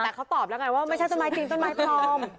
แต่เขาตอบแล้วไงว่าไม่ใช่ต้นไม้จริงต้นไม้ปลอม